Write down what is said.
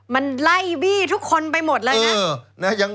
มันไล่บี้ทุกคนไปหมดเลยนะ